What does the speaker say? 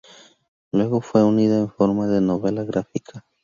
Luego fue unida en forma de novela gráfica.